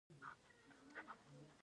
آیا دوی خپل مشران نه ټاکي؟